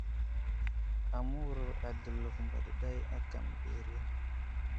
Aməwuro a Dəlov mbeɗeɗay aka aməberiya.